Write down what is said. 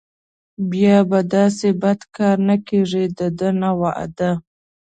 بیا به داسې بد کار نه کېږي دده نه وعده.